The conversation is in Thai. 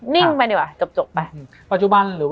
มันทำให้ชีวิตผู้มันไปไม่รอด